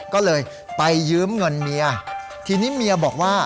ก็เลยไปยืมเงินเมียทีนี้เมียบอกว่า